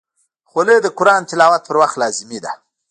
خولۍ د قرآن تلاوت پر وخت لازمي ده.